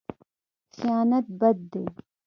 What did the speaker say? خیانت بد دی.